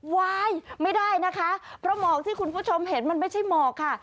วายไม่ได้นะคะเพราะหมอกที่คุณผู้ชมเห็นมันไม่ใช่หมอกค่ะ